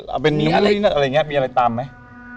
เอาเป็นนิ้วนิ้วนิ้วอะไรอย่างนี้มีอะไรตามไหม